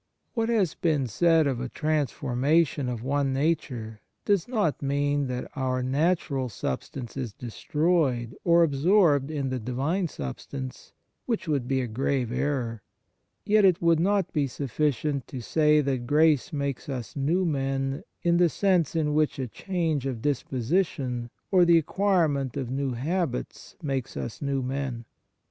" What has been said of a transformation of one nature does not mean that our natural substance is destroyed, or absorbed in the Divine Substance, which would be a grave error. Yet it would not be suffi 1 2 Cor. iii. 18. 2 In Joannem, i., ii., c. 12, ad 27. 23 THE MARVELS OF DIVINE GRACE cient to say that grace makes us new men in the sense in which a change of disposition or the acquirement of new habits makes us new men.